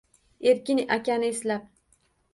Erkin akani eslab